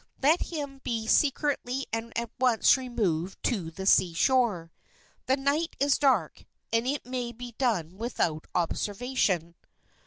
Let him be secretly and at once removed to the sea shore. The night is dark, and it may be done without observation."